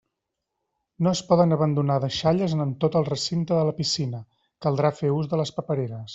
No es poden abandonar deixalles en tot el recinte de la piscina, caldrà fer ús de les papereres.